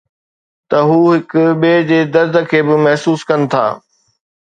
ته هو هڪ ٻئي جي درد کي به محسوس ڪن ٿا.